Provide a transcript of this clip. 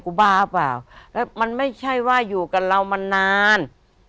บ้าเปล่าแล้วมันไม่ใช่ว่าอยู่กับเรามานาน